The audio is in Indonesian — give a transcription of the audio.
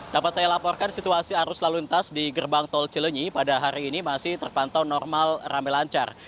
dapat saya laporkan situasi arus lalu lintas di gerbang tol cilenyi pada hari ini masih terpantau normal rame lancar